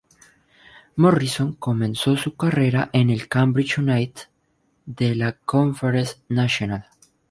Morrison comenzó su carrera en el Cambridge United de la Conference National.